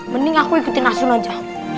mending aku ikutin ah sun aja